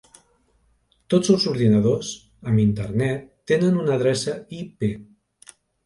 Tots els ordinadors amb Internet tenen una adreça IP.